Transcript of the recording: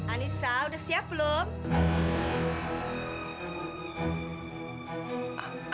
anissa udah siap belum